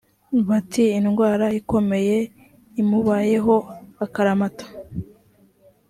bati indwara ikomeye imubayeho akaramata